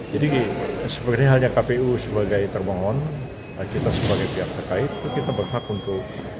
jadi seperti halnya kpu sebagai termohon kita sebagai pihak terkait itu kita berhak untuk